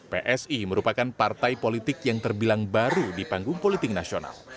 psi merupakan partai politik yang terbilang baru di panggung politik nasional